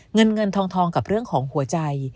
เงินเงินทองกับเรื่องของหัวใจ